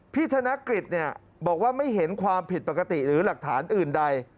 ธนกฤษบอกว่าไม่เห็นความผิดปกติหรือหลักฐานอื่นใด